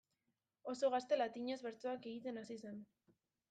Oso gazte latinez bertsoak egiten hasi zen.